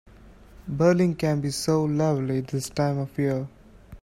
Berlin can be so lovely this time of year.